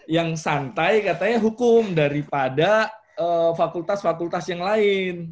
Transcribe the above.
yang santai katanya hukum daripada fakultas fakultas yang lain